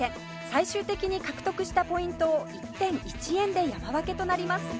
最終的に獲得したポイントを１点１円で山分けとなります